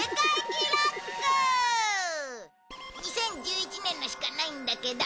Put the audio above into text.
２０１１年のしかないんだけど。